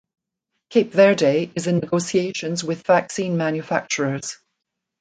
Cape Verde is in negotiations with vaccine manufacturers.